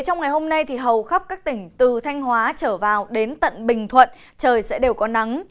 trong ngày hôm nay hầu khắp các tỉnh từ thanh hóa trở vào đến tận bình thuận trời sẽ đều có nắng